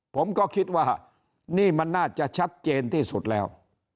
ผมก็คิดว่านี่มันน่าจะชัดเจนที่สุดแล้ว